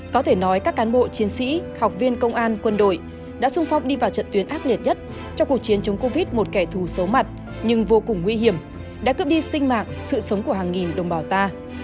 có thể nói các cán bộ chiến sĩ học viên công an quân đội đã sung phong đi vào trận tuyến ác liệt nhất trong cuộc chiến chống covid một kẻ thù xấu mặt nhưng vô cùng nguy hiểm đã cướp đi sinh mạng sự sống của hàng nghìn đồng bào ta